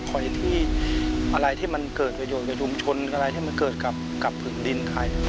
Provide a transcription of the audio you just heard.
คอยที่อะไรที่มันเกิดไปโยนกับชุมชนอะไรที่มันเกิดกับกับพื้นดินไทย